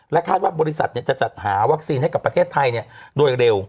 และคาดว่าบริษัทเนี่ยจะจัดหาวัคซีนให้กับประเทศไทยเนี่ยโดยเร็ว